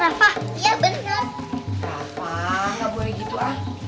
rafa enggak boleh gitu ah